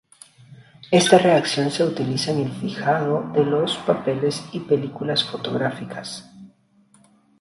Esta reacción se utiliza en el fijado de los papeles y películas fotográficas.